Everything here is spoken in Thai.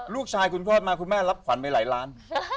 ลูกชายคุณคลอดมาคุณแม่รับขวัญไปหลายล้าน